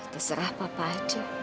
terserah papa aja